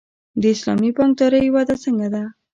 د اسلامي بانکدارۍ وده څنګه ده؟